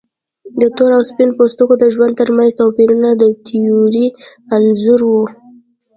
د تور او سپین پوستو د ژوند ترمنځ توپیرونه د تیورۍ انځور و.